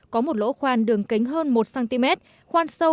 có một lỗ khoan đường kính hơn một cm khoan sâu